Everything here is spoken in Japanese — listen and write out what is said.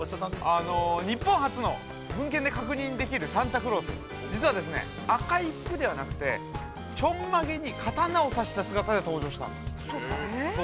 日本初の文献で確認できるサンタクロース、実は、赤い服ではなくて、ちょんまげに刀をさした姿で登場したんです。